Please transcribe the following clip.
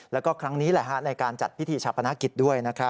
แล้วก็ครั้งนี้แหละฮะในการจัดพิธีชาปนาคิดด้วยนะครับ